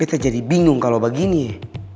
bete jadi bingung kalo begini ya